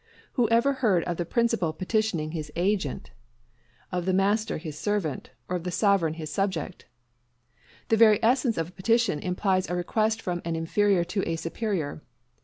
Who ever heard of the principal petitioning his agent of the master, his servant or of the sovereign, his subject? _The very essence of a petition implies a request from an inferior to a superior.